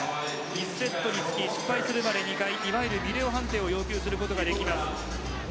１セットにつき失敗するまでいわゆるビデオ判定を要求することができます。